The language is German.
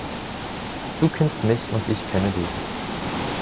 Du kennst mich und ich kenne dich.